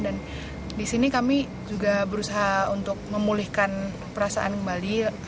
dan di sini kami juga berusaha untuk memulihkan perasaan kembali